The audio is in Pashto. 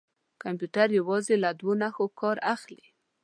کمپیوټر یوازې له دوه نښو کار اخلي.